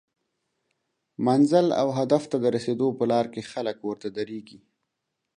منزل او هدف ته د رسیدو په لار کې خلک ورته دریږي